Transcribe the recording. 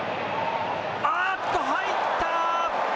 あっと、入った。